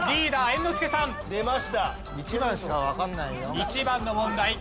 １番の問題。